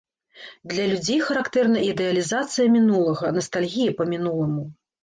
Для людзей характэрна ідэалізацыя мінулага, настальгія па мінуламу.